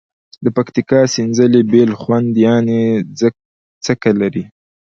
د پکتیکا سینځلي بیل خوند یعني څکه لري.